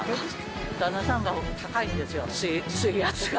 旦那さんが高いんですよ、水圧が。